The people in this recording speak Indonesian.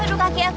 aduh kaki aku